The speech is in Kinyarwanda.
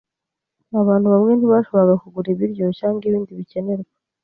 Abantu bamwe ntibashoboraga kugura ibiryo cyangwa ibindi bikenerwa.